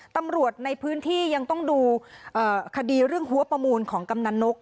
ตำรวจในพื้นที่ยังต้องดูคดีเรื่องหัวประมูลของกำนันนก